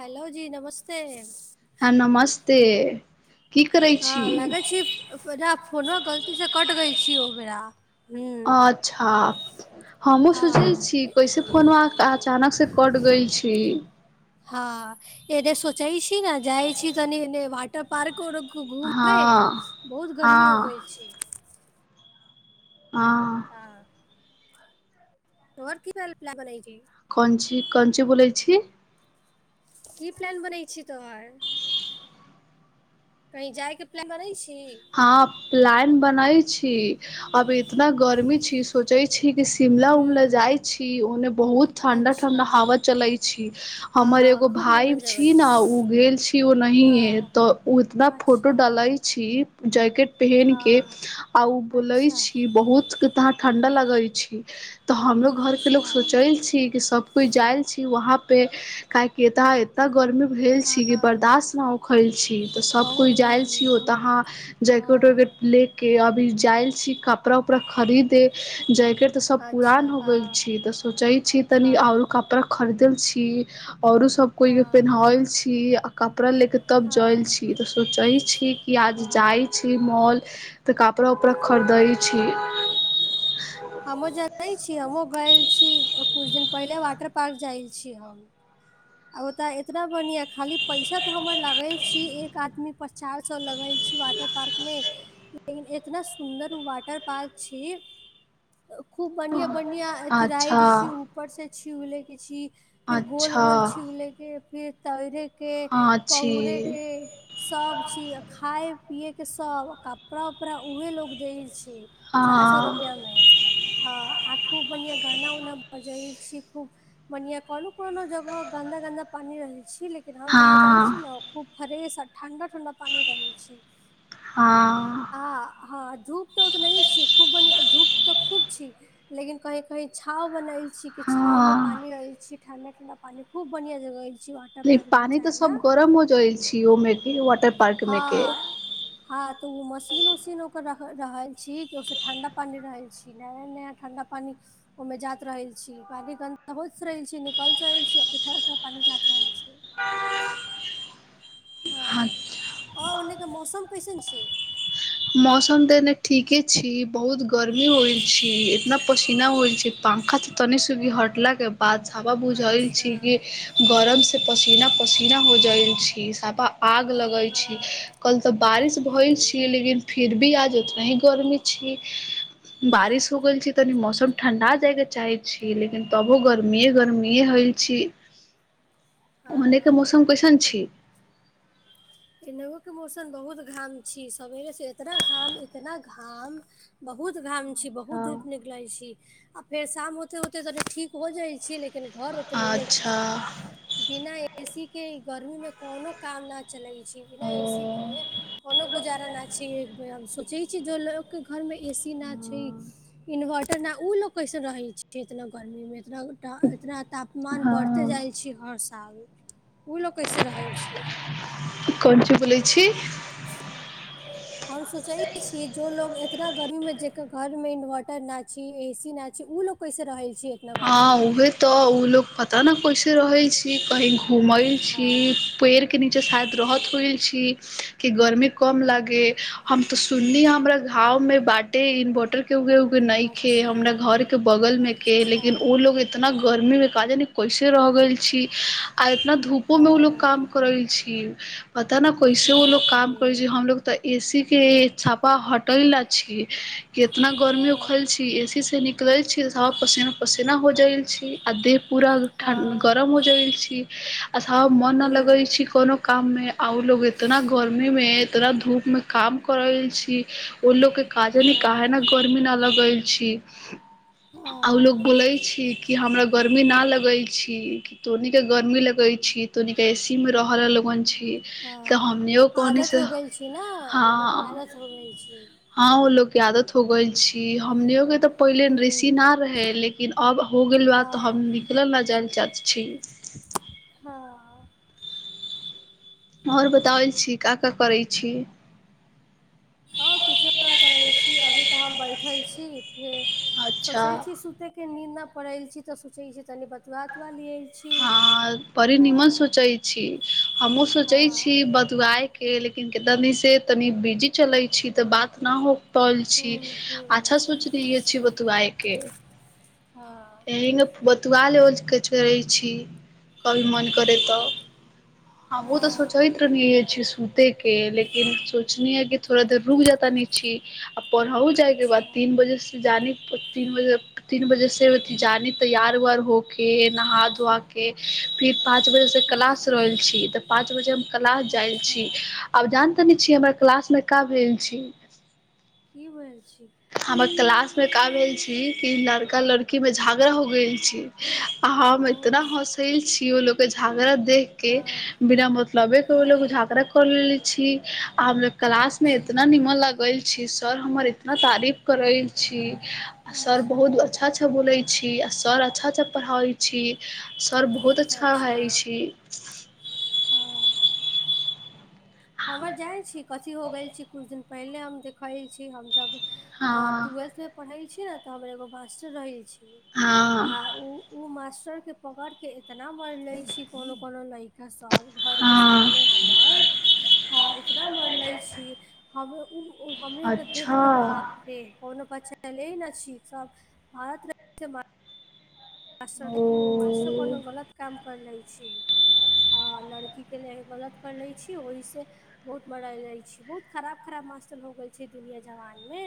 hello जी नमस्ते हँ नमस्ते की करै हँ छी लागै छी फोनो गलतीसँ कटि गेल छी ओ बेरा हूँ अच्छा हमहुँ सोचै हँ छी कैसे फोन अचानक से कट गइल छी हँ एने सोचाय छी ने जाइ छी तनी ए वाटर पार्कर घूममे हँ बहुत गर्मी हँ अबै छै आ हँ तोहर की प्लान वनैली छै कोन ची कोञ्ची बोलै छी की प्लान बनै छै तोहर कही जाय के प्लान बनै छी हँ प्लान बनै छी अभी इतना गर्मी छी सोचे छी क शिमला उमला हूँ जाय छी ओने बहुत ठंडा अच्छा ठंडा हवा चलै छी हमर हँ एगो खूब भाय निमन जगह छी ने ओ गेल छी ओनाे हँ तऽ उतना अच्छा फोटो डालै छी जैकेट पहिन के हँ आ बोलै अच्छा छी बहुत तहाँ ठण्डा लगै छी तऽ हमरो घरके लो अच्छा सोचैल छी कि सभ कोइ जाइ छी वहाँ पे काए की ह ए गर्मी भेल हँ छी कि बर्दास्त नहि उखल छी तऽ सभ बहुत कोइ जाय गर्मी छीयौ तऽ बहुत अहाँ जैकेट हँ वैकेट ले के अभी जायल छी कपड़ा उपड़ा खरीदे जे जेकेट तऽ सब अच्छा पुरान हो गेल हँ छी तऽ सोचे छी तनी आ हँ औरो कपड़ा खरीदल छी औरो सब को हँ पेहनाल छी कपड़ा ले के तब जल हँ छी त सोचे छी क आज जाइ हँ छी मॉल तऽ कपड़ा उपड़ा खरीदै छी हमहु जानै छीय हमहु गैल छी कुछु दिन पहिले वाटर पार्क जाय छी हम औता एतना बढ़िया खाली पैसा तो हमर लागल छी एक आदमी पर चार सए लागल छी वाटर पार्क मे लेकिन इतना सुन्दर वाटर पार्क छि खूब बढ़िया बढ़िया अथ अच्छा राइड छी ऊपर से छी उ ले के छी अच्छा छिहुलै के फिर तैरे के हँ छी पहुरे के सभ चीज खाय पियए के सब कपड़ा उपड़ा उहे लोग दै छै चार सए रुपआ हँ में हाँ ओ बन गाना उना बजल छी खूब मनिया कोनो कोनो जगह गंन्दा गंन्दा पानी रह छै छी लेकिन हम जहाँ जाय छी हँ ने खूब फ्रेश आ ठंडा ठंडा ठंडा पानी रह छी हँ आ हँ धूप तऽ उत नहि छी खूब ब धूप तऽ खूब छी लेकिन कहीं कहीं छाव बनल के छांव मे हँ पानी रहल छी ठंडा ठंडा पानी खूब बढ़िया जगह छै नहि पानी तऽ सब गरम हो जाई छि ओहिमे के वाटर पार्क मे के हँ हँ तऽ ओ मशीन उशीन ओकर रहल छी कि ओस ठंडा पानी रहै छी नया नया ठंडा पानी ओहि में जात रहल छी पानी गंन्दा होत रहै छी निकल रहल छी पीठा पठा पानी जा रहल छै जे हाँ हँ आ ओ ओने के मौसम कैसन छै मौसम तऽ एने ठीके छी बहुत गर्मी होइ छी इतना पस केना होल छै पंखा तऽ तनी सा हटला बाद सापा बुझल अच्छा छी कि गरम से पसीना पसीना हो जाल छी सापा आग हँ लगै छी हँ कल तऽ बारिश भइ हूँ छी लेकिन फिर भी आज उतना ही गर्मी छी हँ बारिश हो गेल छै तनी मौसम ठंडा जाय के चाहे छी लेकिन तबो गर्मीे गर्मीे हल छी हँ ओहने के मौसम कैसन छी नेवो के मौसम बहुत घाम छी सवेरे से इतना घाम इतना घाम बहुत घाम बहुत हँ धूप निकलै छी आ फेर शाम होते होते त ठीक हो जाइ छी लेकिन घर उतना हैय अच्छा गरम बिना एसी के गर्मी मे कोनो काम न चले छै बिना ओ एसी के कोनो गुजारा न छै छै जो लोग के घर मे एसी न छै इनभाटर ना उ लोग कैसे रहै छै एतना गर्मी में गो इतना तापमान बढ़ते जाय हँ छी घर ताव ओ ल कैसे रहै छियै कोन छि बोलय छी [unintelligible] हम सोचे छी जो लोग एतना गर्मी में जे के घर में इन्वर्टर न छी एसी ना छी उ कैसे रह छियै हँ उहे तऽ ओ लोग पता न कैसे रहै छी कही घुमे घुमल छी हँ पेड़ के निचे जे शायद रहते कुल छी कि गर्मी कम लागय हम तऽ सुन्नी हमरा घाव वो में बाँटे इन इन्वर्टर केहु कहु के नखे अच्छा हमरा घर के बगल में के अच्छा लेकिन ओ लोग इतना गर्मी मे का जाने कैसे रहगेल छी आ इतना धूपो में उ लोग हँ काम करै छी पता न कैसे ओ लोग बाप काम रे करे छै हमलोग तऽ एसी के छापा होटल ला छी कितना गर्मी हँ उखल छी एसी से निकलल छी साफ पसीना पसीना हो जाइल छी आ देह पूरा ठण्ड हँ गरम हो जाइ छी अछा मन न लगे हूँ छै कोनो काम में आ लोग एतना गर्मी में इतना धूप मे काम कर रहल छी ओ लोग के का जाने काहे ने काहे हँ ने गर्मी न लगल छी आओ हँ लोग बोले छी कि हमरा गर्मी ना लगे छी कि तोहनी के गर्मी लगै छी तोहनिक एसी मे रह रहल लोगन छै तऽ हँ हमनियो कहनी आदत से हो गेल छी न हा उ लोग के आदत हो गेल छी हँ ओ लोक आदत हो गैल छी हमनी के तऽ पहिले ऋषि हूँ न रहे लेकिन अब हो गेल बा तऽ हम हँ निकलऽ ल जाय ‌चाह छी हँ आओर बताबै छी का का करै छी आओर किछो नहि करै छी अभी तऽ हम बैठल छी फेर सोचे अच्छा छी सुते के नींद पड़ल छी तऽ सोचे छी तनि बतवा उतवा लिय छी छी परी निमन सोचै छी हमहु सोचै हँ छी बदआयके लेकिन तनी से तनी बिजी चलै छी तऽ बात न हो बल छी ह्म्म ह्म्म अच्छा सोचनी छी बतूआइके हँ एहिन बतुआ लेबल कऽ कहैछी कभी मन करै तऽ हमहु तऽ हँ सोचित्र नहिनी छी सु देख के लेकिन सोचनी हँ कि थोड़ा देर रुक जाता नीचे आ पढ़हु जाइ के बा अच्छा तीन बजे से जानी तीन बजे तीन बजे से जानी तैयार ऊईयार होके नहा धोके अच्छा आके फिर पाँच बजे से हँ क्लास रहल छी तऽ पाँच बजे हम क्लास जाइ अच्छा छी आब जानतनी छी हमर क्लास मे का भेल छी की होल छी हमर क्लास मे का भेल छी की लड़का लड़की की मे झगड़ा हो गेल छी हम ओ इतना हसैल छीे उ लोग के झगड़ा देख के हँ बिना मतलबे के उ लोग हँ कऽ लेले छी आ हमे क्लास में अच्छा एतना निमन लग ग‌इल छी सर हमर इतना तारीफ करल छी आ सर अच्छा बहुत अच्छा अच्छा बोले छी आ सर अच्छा अच्छा पढ़ाबे छी सर बहुत अच्छा हइ छी हँ हमर जाइ छी कथी हो गेल छी कुछ दिन पहिले हम देखीई छी हमसब आ हँ ट्वेल्थ मे पढ़ै छी ने तऽ हमर एगो मास्टर रहै छी आ हँ उ उ मास्टर पकड़ के एतना मार ले छी कोनो कोनो लैका से सब घरके हँ सामने हमर एतना मर लै छी हम उ हमरे के देख अच्छा के बाप रे कोनो बच्चा [unintelligible] आशर्य कि ओ मास्टरो कोनो गलत काम कर लै छी आ लड़की के ल गलत कर ले छी ओहि से बहुत मरायल जाइ छी बहुत खराब खराब दुनिया जवानी मे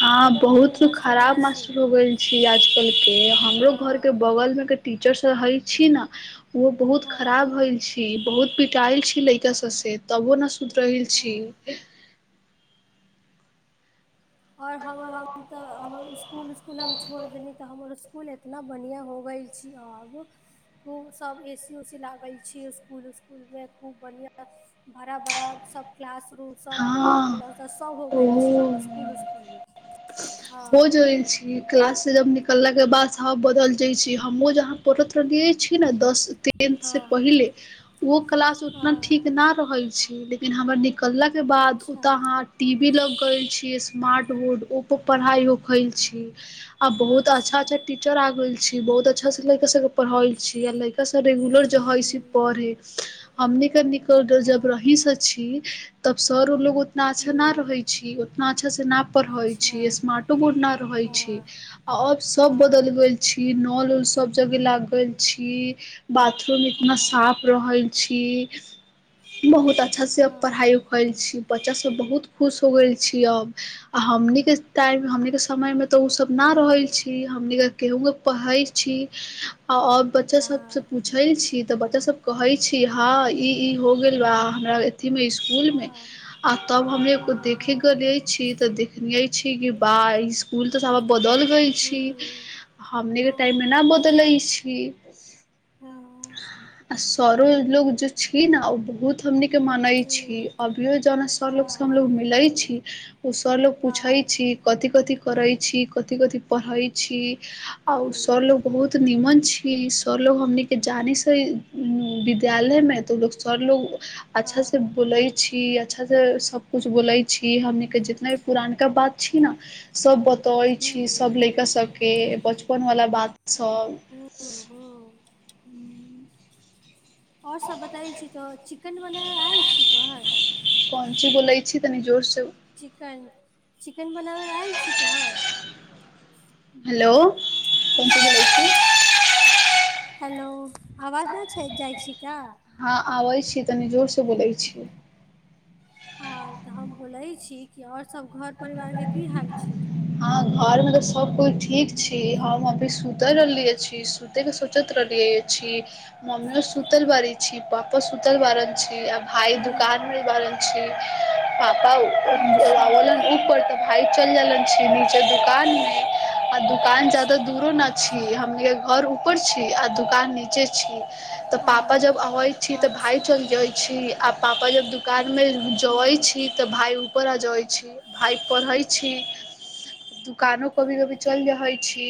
हँ निमन बहुत निमन मास्टर ना खराब छी मास्टर हो गेल छी आजकल के हमरो घर के हँ बगल मे के टीचर सब हय छी ने ओ बहुत हँ खराब होले छी बहुत पिटायल छी लेड़का सबसे तबो न सुधरेलेरहल छी हँ आओर हम हम तऽ हमर स्कूल स्कूल छोड़ि देने इकुल इतना बढ़िआं हो गई छी अब खू सब ए सी उ सी लागल छी स्कुल स्कुल में खूब बढ़िया हरा भरा सब क्लास रूम सब पेंट कलर हँ सब सब हो गेल छै हमर ओहो स्कुल इस्कुल मे हो हँ जाइ छै क्लास से जब निकलला के बाद सब बदल जाइ छै हमहुँ जहाँ पढ़ैत रहलियै छी ने दस टेंथ से हँ पहिले ओहो क्लास उतना ठीक हँ न रहै छै फेर हमर निकललाक बाद अच्छा ओतऽ अहाँ टी वी लग कर छियै स्मार्ट बोर्ड ओप्पो पढ़ाई होखल छी आ बहुत अच्छा अच्छा टीचर आगल छै छी बहुत अच्छा से लड़का सब के पढ़ल छी या ल रेगुलर जो हस हुँ, पढ़ै हमनी जब हँ, रहि से छी तब सर ओ लोग उतना अच्छा न हुँ, रहै छी उतना अच्छा से न पढ़ै अच्छा छी माटो गुना रहै छै हँ, आ अब सब बदल हँ, गेल छी नल उल सब जगे लागल छी बाथरूम इतना हँ, साफ रह छी क बहुत अच्छा से पढ़ाई हँ, लखाइ छी बच्चा सब बहुत खुश होइ छि अब आ हमनी टाइम हमनी के समय मे तऽ ओसभ नहि हुँ, रहै छी हमनिक केहूँके पढ़ै छी आओर बच्चा सब से हँ, पूछैल छी तऽ बच्चा सब कहै छी हँ ई ई हो गेल बा हमरा अ मे स्कूल में हँ, आ तब हमे एगो देखे हँ, गे छी ते देखलिय छि गे बा स्कुल तऽ साला बदल छि हुँ, हमनी के टाइम हँ, मे नहि बदलै छी हँ आ सरो लोग जो छी न ओ बहुत हमनी के माने हुँ, छी अभियो जना सर लोग से हँ, हमलोग मिले छी ओ सर लोग पूछे हँ, छै कथि कथि करै छी कथि कथि पढ़ै छी आओ सर हुँ, लो बहुत निमन छी क सब लोग हमनी के जाने से विद्यालय में तो लोग सब लोग अच्छा से हँ, बोलै छी अच्छा से सब कुछ बोले छी हमनीक के जितना भी पुरान का बात छी ने सब ब त छी सब हुँ, लैका सबके बचपन वाला बात सब हुँ, हुँ आओर सब बतै छी तऽ चिकेन बला आयल छी तो कोनची बोलैइ छी तनी जोर से चिकेन चिकेन बनाबय आयल छी तोहर हेलो हेलो आवाज न जाइ छी का हँ आबै छी तनी जोर से बोलै छियै आर तऽ हम बोलै छी कि आओर सभ घर परिवारके की हाल छै हँ घर मे त सबक ठीक छी हम अभी सुते रहली सुते के सोचैत रहलिये छी मम्मी ओ सुतल बारी छी पापा सुतल बारन छी भाई य ह दुकान मे गेल छी पापा अच्छा के भाय चल जले छीे नीचे दुकान मे आ दुकान जदा अच्छा दूरो न अच्छा छी घर ऊपर छी आ दुकान नीचे छी तऽ पापा हँ जब अबै छी तऽ भाय अच्छा चल जाय छी आ पापा जब दुकानमे ह जबै छी तऽ भाय ऊपर आजै छी भाय पढ़ै छी दुकानो कभी कभी चलि रहै छी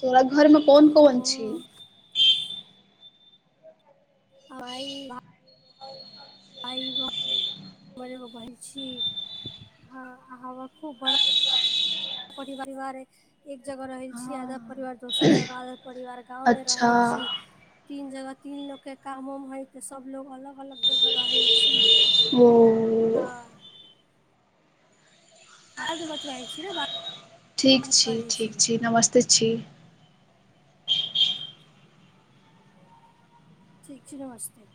तोरा घरमे कोन कोन छी ओ आइ आइग हमर एगो बहीन छी हँ ह खूब बड़ा परिवारक एक जगह रहे छी आधा परिवार हँ दोसर जगह आधा परिवार गाँव में अच्छा रहे छी तीन जगह तीन लोक के काम उम म होयतऽ सब लोग अलग अलग जगह रहै छी ओ हँ ह त बतबै छी न ठीक बात करै छी ठीक नमस्ते छी ठिक छै नमस्ते